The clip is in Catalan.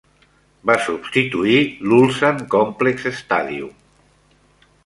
Va substituir l"Ulsan Complex Stadium.